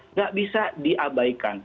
tidak bisa diabaikan